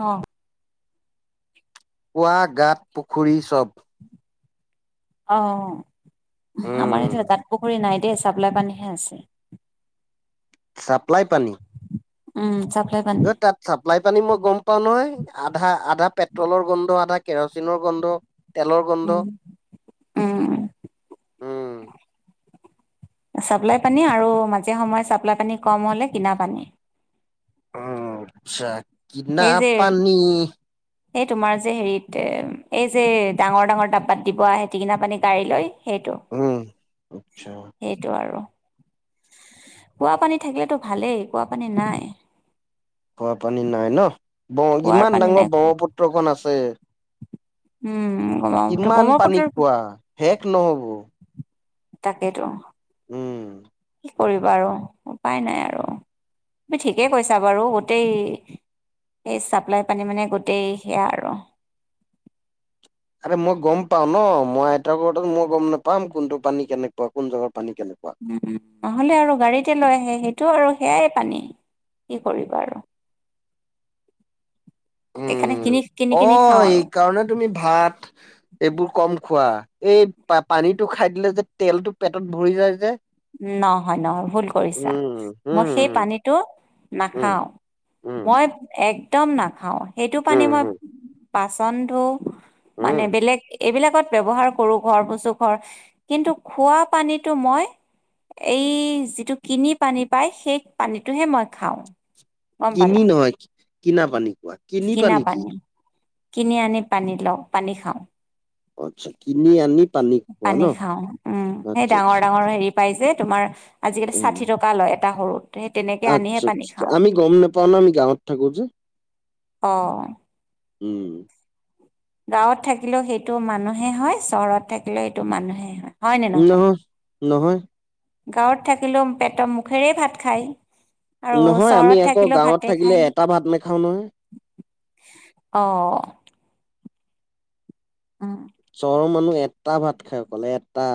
অ' কুৱা, গাত, পুখুৰী চ'ব অ' অ' অ' উম, আমাৰ ইয়াত গাত পুখুৰী নাই দেই, চাপ্লাই পানীহে আছে। ছাপ্লাই পানী উম, চাপলাই ঐ তাত চাপ্লাই পানী মই গ'ম পাওঁ নহয়, আধা আধা পেট্ৰলৰ গোন্ধ, আধা কেৰচিনৰ গোন্ধ উম। উম। উম। চাপ্লাই পানী আৰু মাজে সময়ে চাপ্লাই পানী কম হ'লে কিনা পানী। অ' আচ্ছা কিনা সেই যে পানী। এই তোমাৰ যে হেৰিত এই যে ডাঙৰ ডাঙৰ ডাবাত দিব হে টিঙিনা পানী গাড়ী লৈ সেইটো উম আচ্ছা এইটো আৰু খুৱা পানী থাকিলেতো ভালেই, খোৱা পানী নাই। খোৱা পানী নাই ন, ব কুঁৱাৰ ইমান পানী ডাঙৰ নাই। ব্ৰহ্মপুত্ৰখন আছে। উম, ব্ৰহ্মপুত্ৰ কিমান ব্ৰহ্মপুত্ৰ পানী খোৱা শেষ নহ'ব। তাকেটো উম। কি কৰিবা আৰু উপায় নাই আৰু তুমি ঠিকেই কৈছা বাৰু গোটেই এই চাপ্লাই পানী মানে গোটেই সেয়া আৰু আৰে মই গ'ম পাওঁ ন মই আইতাৰ ঘৰত মই গ'ম নাপাম, কোনটো পানী কেনেকুৱা কোন জেগৰ পানী কেনেকুৱা। উম, নহ'লে আৰু গাড়ীতে লৈ আহে সেইটো আৰু সেয়াই পানী কি কৰিবা আৰু সেইকাৰণে উম, কিনি কিনি কিনি খাওঁ এই আৰু কাৰণে তুমি ভাত এইবোৰ কম খোৱা এই পা পানীটো খাই দিলে যে তেলটো পেটত ভৰি যায় যে নহয়, নহয় ভুল কৰিছা উম মই উম সেই পানীটো উম নাখাওঁ। উম মই এক একদম নাখাওঁ। সেইটো পানী উম মই উম বাচন ধোওঁ, উম মানে বেলেগ এইবিলাকত ব্যৱহাৰ কৰোঁ, ঘৰ মুচো ঘৰ কিন্তু খোৱা পানীটো মই এই যিটো কিনি পানী পায়। সেই পানীটোহে মই খাওঁ। গম পালা কিনি নহয়, কিনা পানী কোৱা। কিনা পানী, কিনি আনি পানী লওঁ, পানী খাওঁ। আচ্ছা, কিনি আনি খোৱা ন পানী খাওঁ। উম, সেই আচ্ছা ডাঙৰ আচ্ছা ডাঙৰ আচ্ছা। হেৰি পাই যে তোমাৰ আজিকালি উম ষাঠি টকা লয় এটা সৰুত সেই তেনেকে আনিহে আচ্ছা, পানী আচ্ছা। খাওঁ আমি গ'ম নাপাওঁ ন আমি গাঁৱত থাকোঁ যে অ' উম। গাঁওত থাকিলেও সেইটো মানুহে হয়, চহৰত থাকিলেও সেইটো মানুহেই হয়। হয়নে নহয়? নহয় গাঁৱত থাকিলেও পেটৰ মুখেৰে ভাত খায়। আৰু নহয়, আমি চহৰত আকৌ থাকিলেও গাঁৱত ভাতে থাকিলে খায় এটা ভাত নাখাওঁ নহয়। অ' উম। চহৰৰ মানুহ এটা ভাত খাই অকল এটা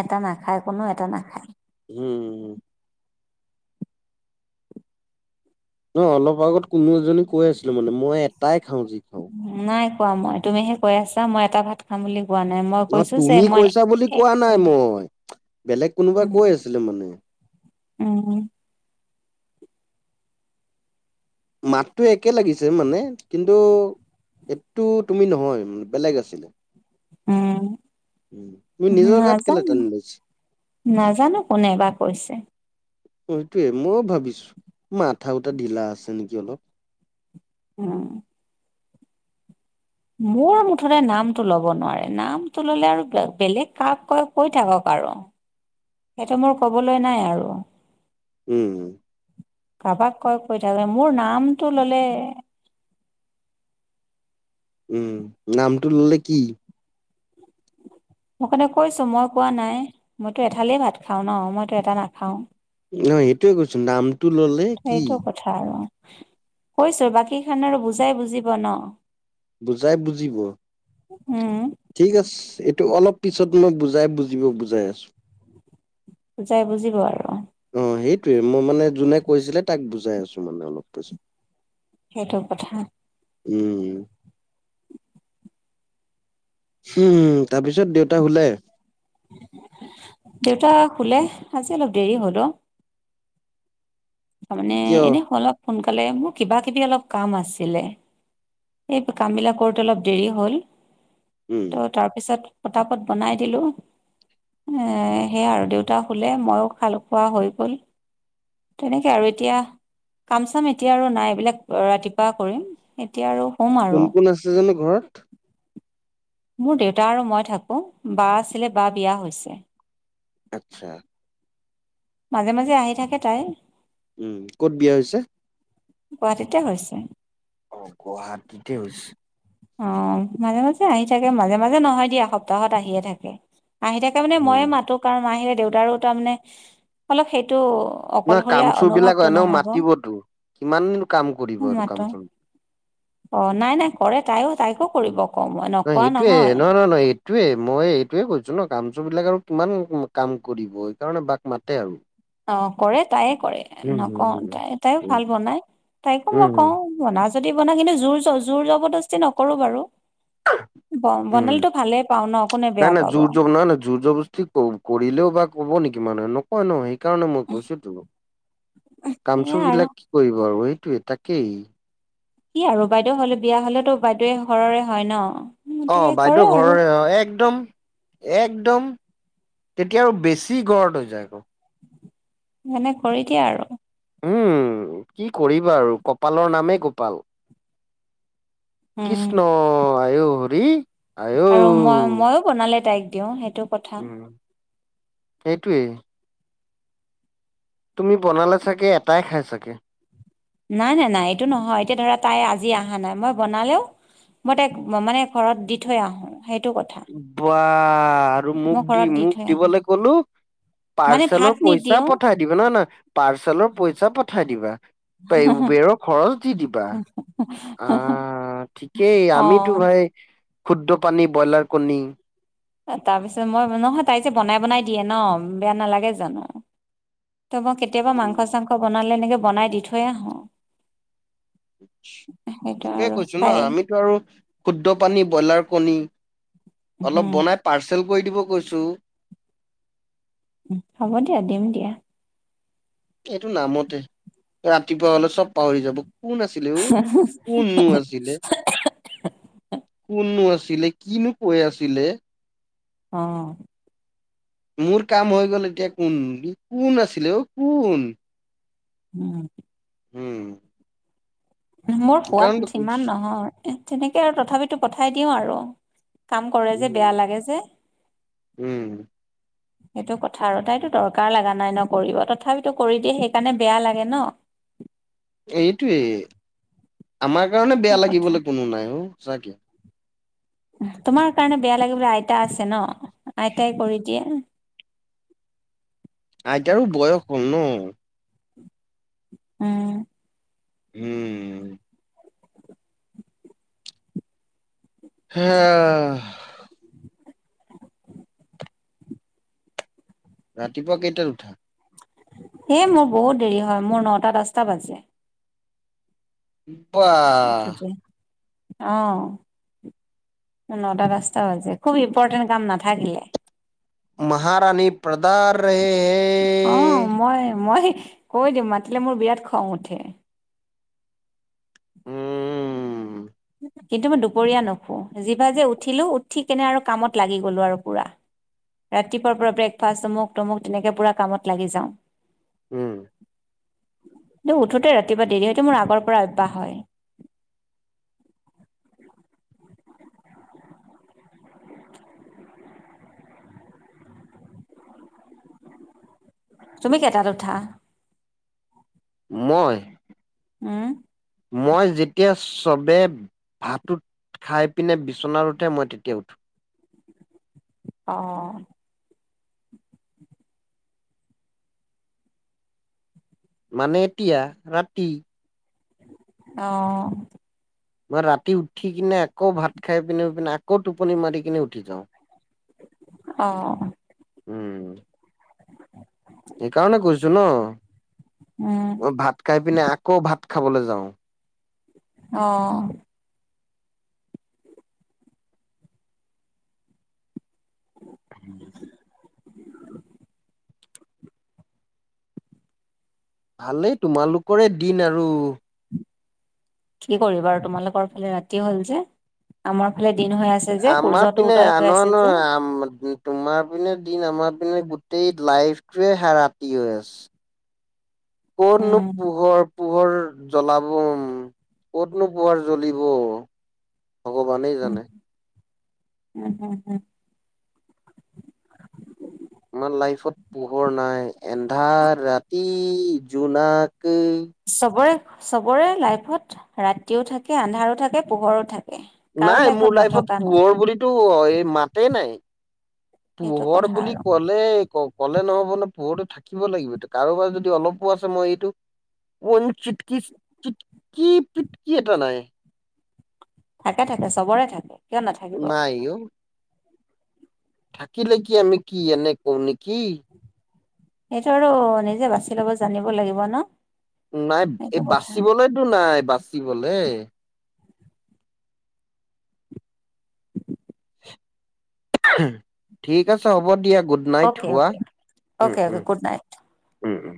এটা নাখায়, কোনো এটা নাখায়। উম। নহয় অলপ আগত কোনো এজনী কৈ আছিলোঁ মানে মই এটাই খাওঁ যি খাওঁ নাই কোৱা মই তুমিহে কৈ আছা মই এটা ভাত খাম বুলি। কোৱা নাই মই ন কৈছো যে তুমি মই কৈছা বুলি কোৱা নাই মই বেলেগ কোনোবা উম কৈ আছিলে মানে উম, মাতটো একে লাগিছে মানে কিন্তু এইটো তুমি নহয় বেলেগ আছিলে উম। উম, তুমি নিজৰ গাত কেলে নাজানো টানি লৈছা নাজানো কোনে বা কৈছে। সেইটোৱেই ময়ো ভাবিছো মাথা উটা ঢিলা আছে নেকি অলপ। উম। মোৰ মুঠতে নামটো ল'ব নোৱাৰে নামটো ললে আৰু বেল বেলেগ কাক কৈ, কৈ থাকক আৰু। [inaudible] সেইটো মোৰ কবলৈ নাই আৰু। উম। কাবাক কয় কৈ থাকে, মোৰ নামটো ললে। উম, নামটো ললে কি? মোৰ কাৰণে কৈছো মই কোৱা নাই, মইতো এঠালেই ভাত খাওঁ ন, মইতো এটা নাখাওঁ। নহ সেইটোয়ে কৈছো নামটো ললে কি? চাল্লা কৈছে বাকী খান আৰু বুজাই বুজিব ন? বুজাই বুজিব। উম। ঠিক আছে এইটো অলপ পিছত মই বুজাই বুজিব বুজাই আছো। বুজায় বুজিব আৰু। অ 'সেইটোৱে মই মানে যোনে কৈছিলে তাক বুজাই আছো মানে অলপ পিছত। সেইটো কথা। উম। উমম তাৰ পিছত দেউতা শুলে। দেউতা শুলে আজি অলপ দেৰি হ'ল অ। তাৰ মানে কিয় এনে অলপ সোনকালে মোৰ। কিবা কিবি অলপ কাম আছিলে? এই কামবিলাক কৰোতে অলপ দেৰি হ'ল। উম ত তাৰ পিছত পতাপত বনাই দিলোঁ। এ, সেইয়া আৰু দেউতা শুলে ময়ো খালো, খোৱা হৈ গ'ল। তেনেকে আৰু এতিয়া! কাম চাম এতিয়া আৰু নাই। এইবিলাক ৰাতিপুৱা কৰিম এতিয়া আৰু! শুম আৰু কোন কোন আছে জানো ঘৰত? মোৰ দেউতা আৰু মই থাকো। বা আছিলে বা বিয়া হৈছে। আচ্ছা। মাজে মাজে আহি থাকে তাই। ক'ত বিয়া হৈছে? গুৱাহাটীততে হৈছে। অ' গুৱাহাটীততে হৈছে। অ 'মাজে মাজে আহিয়ে থাকে। মাজে মাজে নহয় দিয়া সপ্তাহত আহিয়ে থাকে। আহি তাই তাৰ মানে উম ময়ে মাতো কাৰণ মা আহিলে, দেউতাৰো তাৰমানে অলপ সেইটো নহয় অকলশৰীয়া কামচাম বিলাক অনুভৱটো এনেও নহ'ব মাতিবতো। কিমান কাম কৰিব আৰু মাত্ৰ কামচাম অ নাই নাই কৰে তাইও তাইকো কৰিব কওঁ মই, নকৱা নহয়। সেইটোৱে মই এইটোয়ে কৈছো ন, কামচুৰ বিলাক আৰু কিমান কাম কৰিব সেইকাৰণে বাক মাতে আৰু। অঁ কৰে তাইয়ে কৰে, উম হম নকওঁ হম তাই তাইও উম ভাল বনাই তাইকো উম মই কওঁ- বনাও যদি বনা কিন্তু জোৰ জোৰ জবৰদস্তি নকৰো বাৰু। ব উম বনালেটো ভালেই পাওঁ ন, কোনে বেয়া পাব। শুনা না জোৰ জৰদস্তি- ক কব কৰিলেও বা ক'ব নেকি মানুহে। নক- হয় নহয়, সেইকাৰণে মই কৈছোতো সেয়া কামচুৰ আৰু বিলাক - কি কৰিব আৰু সেইটোৱে তাকেই। কি আৰু বাদেইও হলে বিয়া হলেতো বাদেইৱে ঘৰৰে হয় ন। গতিকে অঁ কৰে বাইদেউ আৰু ঘৰৰে অঁ, একদম- একদম তেতিয়া আৰু বেছি ঘৰলৈ যায় আকৌ। মানে কৰি দিয়া আৰু। উম' কি কৰিবা আৰু কপালৰ নামেই গোপাল। উম কৃষ্ণ আইঔ হৰি। আঐ। আৰু মই ময়ো বনালে তাইক দিওঁ, সেইটো- কথা উম' সেইটোৱেই। তুমি বনালে চাগে এটাই খাই চাগে। নাই নাই নাই এইটো নহয়, এতিয়া ধৰা তাই আজি অহা নাই মই বনালেও- মই তাইক মানে ঘৰত দি থৈ আহোঁ। সেইটো কথা। বা আৰু মই মোক দি ঘৰত মোক থৈ আহো দিবলে ক'লো- মানে পাৰ্চেলৰ ভাত পইচা নিদিওঁ পঠাই- দিবলৈ নহয়, পাৰ্চেলৰ পইচা পঠাই দিবা উবেৰৰ খৰচ দি দিবা। অঁ ঠিকেই অ আমিতো ভাই ক্ষুদ্ৰ পানী ব্ৰইলাৰ কণী। এ তাৰপিছত মই নহয় তাই যে বনাই বনাই দিয়ে ন বেয়া নালাগে জানো। তাপা কেতিয়াবা মাংস চাংস বনালে এনেকে বনাই দি থৈ আহোঁ। সেইটোৱে কৈছো ন, তাই আমিতো আৰু- শুদ্ধ পানী ব্ৰইলাৰ কণী, অলপ উম বনাই পাৰ্চেল কৰি দিব কৈছোঁ। উমহ' হ'ব দিয়া দিম দিয়া। এইটো নামতে ৰাতিপুৱা হ'লে চব পাহৰি যাব কোন আছি- লেও কোননো আছিলে? কোননো আছিলে কিনো কৈ আছিলে? অঁ' মোৰ কাম হৈ গ'ল এতিয়া কোন কোন আছিলে অও কোন? উম' উম' মোৰ সোৱাদ সেইকাৰণেতো কৈছো সিমান নহয়, এ তেনেকে আৰু তথাপিতো পঠাই দিওঁ আৰু। কাম কৰে যে উম, বেয়া লাগে যে। উম, সেইটো কথা আৰু তাইতো দৰকাৰ লগা নাই ন কৰিব তথাপিতো কৰি দিয়ে সেইকাৰণে বেয়া লাগে ন। এইটোৱেই আমাৰ কাৰণে সেইটো বেয়া কথা লাগিবলে কোনো নাই অও সঁচাকে। তোমাৰ কাৰণে বেয়া লাগিবলে আইতা আছে ন, আইতাই কৰি দিয়ে। আইতাৰো বয়স হ'ল ন। উম' উম' হা ৰাতিপুৱা কেইটাত উঠা? এ মোৰ বহুত দেৰি হয় মোৰ ন'টা দহটা বাজে। বাহ। অঁ মোৰ ন'টা দহটা বাজে খুব ইম্পৰ্টেণ্ট কাম নাথাকিলে। মহাৰানী প্ৰদাৰ ৰাহে হে। অ মই মই- কৈ দিম মাতিলে মোৰ বিৰাট খং উঠে। উম কিন্তু মই দুপৰীয়া নুশু। যি বাৰ যে উঠিলোঁ উঠি কেনে আৰু কামত লাগি গ'লোঁ আৰু পুৰা। ৰাতিপুৱাৰ পৰা ব্ৰেকফাষ্ট অমুক তমুক তেনেকে পুৰা কামত লাগি যাওঁ। উম কিন্তু উঠোতে ৰাতিপুৱা দেৰি হয় এইটো মোৰ আগৰ পৰা অভ্যাস হয়। তুমি কেইটাত উঠা? মই? ও'ম। মই যেতিয়া চবে- ভাতটো খাই পিনে বিচন উঠে মই তেতিয়া উঠো। অঁ। মানে এতিয়া, ৰাতি। অ'। মই ৰাতি উঠি কিনে আকৌ ভাত খাই পিনে আকৌ টোপনি মাৰি কিনে উঠি যাওঁ। [unintelligible] অ'। উম। এই কাৰনে কৈছো ন। উম। মই ভাত খাই পিনে আকৌ ভাত খাবলৈ যাওঁ। অ'। [unintelligible] ভালেই তোমালোকৰে দিন আৰু। কি কৰিবা আৰু তোমালোকৰ ফালে ৰাতি হ'ল যে, আমাৰ ফালে দিন হৈ আছে। যে, সূৰ্যটো আমাৰপিনে উদয় হৈ আন আ আছে ন যে, আম- তোমাৰ পিনে দিন আমাৰ পিনে গোটেই লাইফটোৱে হে ৰাতি হৈ আছে। ক'ত নো উম। পোহৰ- পোহৰ জ্বলাব ক'তনো পোহৰ জ্বলিব? ভগৱানে জানে। হয় হয় হয়। আমাৰ লাইফত পোহৰ নাই এন্ধাৰ ৰাতি জোনাকেই। চবৰে চবৰে লাইফত ৰাতিও থাকে, আন্ধাৰো থাকে, পোহৰো থাকে। কাৰো নাই মোৰ লাইফত নথকা পোহৰ নহয়, বুলি- টো এই মাতে নাই। সেইটো পোহৰ কথা বুলি আৰু। ক- লে ক'লে নহ'ব ন, পোহৰটো থাকিব লাগিব, কাৰোবাৰ যদি অলপো আছে মই এইটো- ৱান চিটকি চিটকি পিটকি এটা নাই। থাকে থাকে চবৰে থাকে, কিয় নাথাকিব? এই অ'। থাকিলে কি আমি কি এনে কওঁ নেকি? সেইটো আৰু নিজে বাচি ল'ব জানিব লাগিব ন? নাই সেইটো এই কথা। বাচিবলেতো নাই বাচিবলে। ঠিক আছে হ'ব দিয়া গুড নাইট অ'কে, শুৱা, অ'কে। উম উম, উম উম।